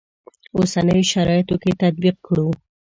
اوسنیو شرایطو کې تطبیق کړو.